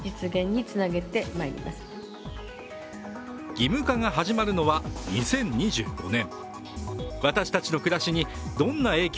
義務化が始まるのは２０２５年。